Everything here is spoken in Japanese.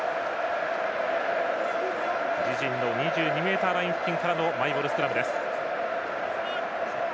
自陣の２２ｍライン付近からのマイボールスクラムです。